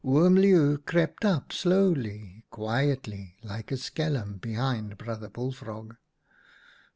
Oom Leeuw crept up slowly, quietly, like a skelm, behind Brother Bullfrog.